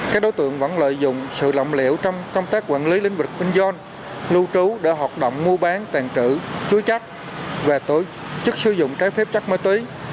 các đối tượng vẫn lợi dụng sự lọng liệu trong công tác quản lý lĩnh vực vinh yon lưu trú để hoạt động mua bán tàn trữ chúi chất và tối chức sử dụng trái phép chất ma túy